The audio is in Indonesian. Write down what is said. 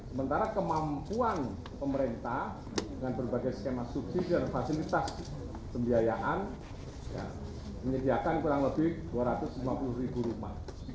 sementara kemampuan pemerintah dengan berbagai skema subsidi dan fasilitas pembiayaan menyediakan kurang lebih dua ratus lima puluh ribu rumah